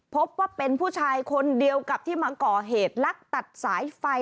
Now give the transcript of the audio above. พบว่าเป็นผู้ชายคนเดียวกับที่มาก่อเหตุลักตัดสายไฟ